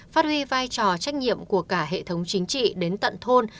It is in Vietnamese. phát huy vai trò trách nhiệm của cả hệ thống chính trị đến tận thôn